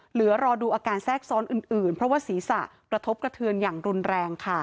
เหลือรอดูอาการแทรกซ้อนอื่นเพราะว่าศีรษะกระทบกระเทือนอย่างรุนแรงค่ะ